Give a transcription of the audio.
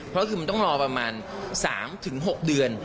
เพราะคือมันต้องรอประมาณ๓๖เดือน